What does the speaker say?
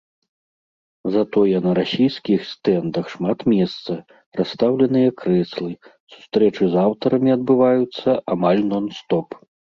Затое на расійскіх стэндах шмат месца, расстаўленыя крэслы, сустрэчы з аўтарамі адбываюцца амаль нон-стоп.